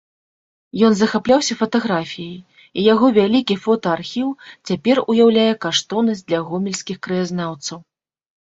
Ён захапляўся фатаграфіяй і яго вялікі фотаархіў цяпер уяўляе каштоўнасць для гомельскіх краязнаўцаў.